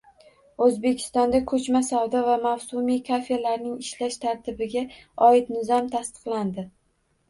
O‘zbekistonda ko‘chma savdo va mavsumiy kafelarning ishlash tartibiga oid nizom tasdiqlandi